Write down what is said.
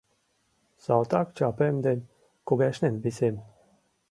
Салтак чапем ден кугешнен висем.